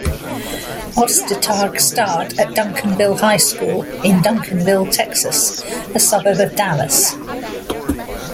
Ostertag starred at Duncanville High School in Duncanville, Texas, a suburb of Dallas.